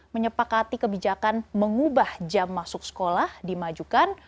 menyepakati kebijakan mengubah jam masuk sekolah dimajukan